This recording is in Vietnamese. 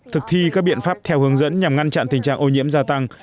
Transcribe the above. thực thi các biện pháp theo hướng dẫn nhằm ngăn chặn tình trạng ô nhiễm gia tăng